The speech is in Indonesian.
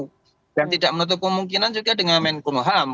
dan tidak menutup kemungkinan juga dengan menko moham